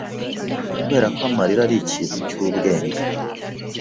Kuberako amarira ari ikintu cyubwenge